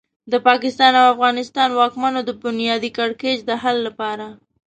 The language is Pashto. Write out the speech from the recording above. د پاکستان او افغانستان واکمنو د بنیادي کړکېچ د حل لپاره.